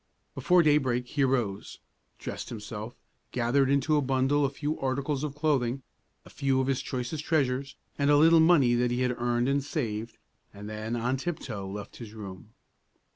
Before daybreak he arose, dressed himself, gathered into a bundle a few articles of clothing, a few of his choicest treasures, and a little money that he had earned and saved, and then on tiptoe left his room.